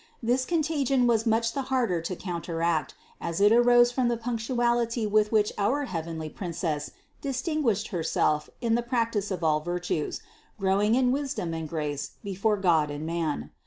This contagion was much the harder to counteract, as it arose from the punctuality with which our heavenly Princess distin guished Herself in the practice of all virtues, growing in wisdom and grace before God and man.